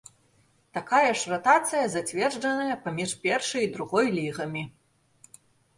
Такая ж ратацыя зацверджаная паміж першай і другой лігамі.